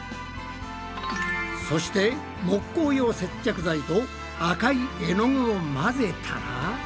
そして木工用接着剤と赤い絵の具を混ぜたら。